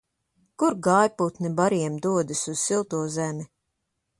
Kur gājputni bariem dodas un silto zemi?